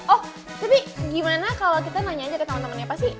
oh tapi gimana kalau kita nanya aja ke temen temennya apa sih